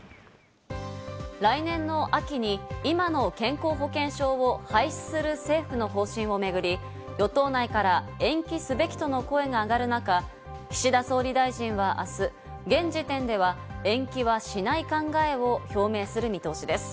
来年の秋に今の健康保険証を廃止する政府の方針を巡り、与党内から延期すべきとの声が上がる中、岸田総理大臣はあす、現時点では延期はしない考えを表明する見通しです。